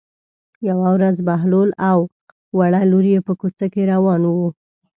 یوه ورځ بهلول او وړه لور یې په کوڅه کې روان وو.